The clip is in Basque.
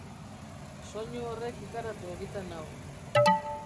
Soinu horrek ikaratu egiten nau!